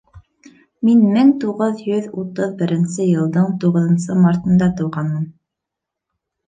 Мин мең туғыҙ йөҙ утыҙ беренсе йылдың туғыҙынсы мартында тыуғанмын.